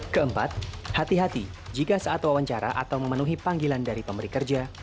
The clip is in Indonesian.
keempat hati hati jika saat wawancara atau memenuhi panggilan dari pemberi kerja